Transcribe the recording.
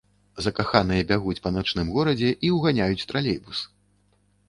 Закаханыя бягуць па начным горадзе і ўганяюць тралейбус.